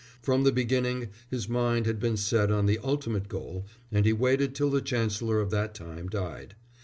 From the beginning his mind had been set on the ultimate goal, and he waited till the Chancellor of that time died.